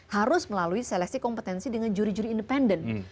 harus melalui seleksi kompetensi dengan juri juri independen